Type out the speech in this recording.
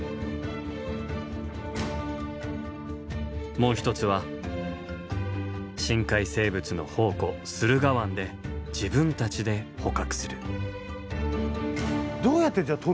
もう一つは深海生物の宝庫駿河湾で捕獲はですね